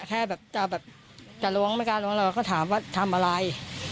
แค่แบบจะล้วงไม่กล้าล้วงแล้วก็ถามว่าทำอะไร